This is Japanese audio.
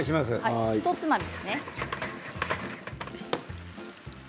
ひとつまみですね。